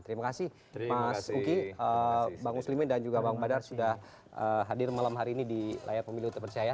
terima kasih mas uki bang muslimin dan juga bang badar sudah hadir malam hari ini di layar pemilu terpercaya